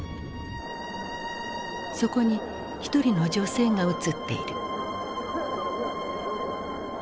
そこに一人の女性が映っている。